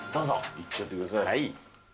行っちゃってください。